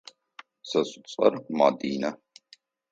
Сэ сцӏэр Мадинэ.